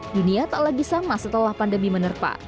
dunia tak lagi sama setelah pandemi menerpa